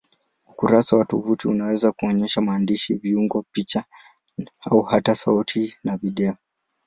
Ukurasa wa tovuti unaweza kuonyesha maandishi, viungo, picha au hata sauti na video.